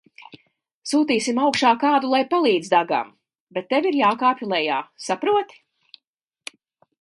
Sūtīsim augšā kādu, lai palīdz Dagam, bet tev irjākāpj lejā, saproti?